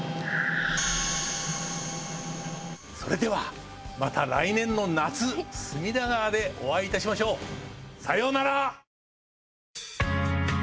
それでは、また来年の夏、隅田川でお会いいたしましょう。さようなら。